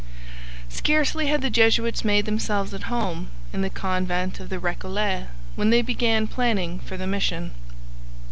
Scarcely had the Jesuits made themselves at home in the convent of the Recollets when they began planning for the mission.